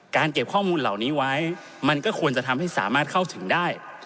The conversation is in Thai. เก็บข้อมูลเหล่านี้ไว้มันก็ควรจะทำให้สามารถเข้าถึงได้